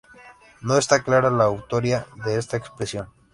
No está clara la autoría de esta expresión.